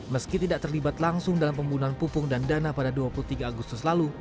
meski tidak terlibat langsung dalam pembunuhan pupung dan dana pada dua puluh tiga agustus lalu